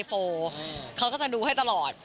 โฟเขาก็จะดูให้ตลอด